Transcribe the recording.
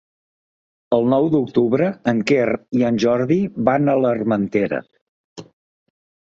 El nou d'octubre en Quer i en Jordi van a l'Armentera.